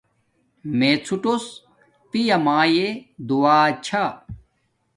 مے څوٹوس پیا مایے دعا چھا